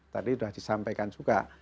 tadi sudah disampaikan juga